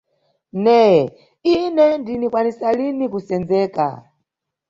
Neye, ine ndinikwanisa lini kusenzeka.